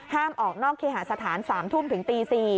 ออกนอกเคหาสถาน๓ทุ่มถึงตี๔